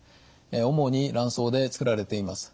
主に卵巣でつくられています。